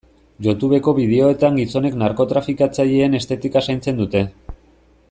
Youtubeko bideoetan gizonek narkotrafikatzaileen estetika zaintzen dute.